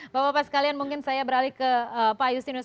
bapak bapak sekalian mungkin saya beralih ke pak justinus